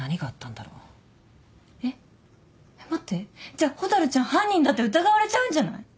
じゃあ蛍ちゃん犯人だって疑われちゃうんじゃない？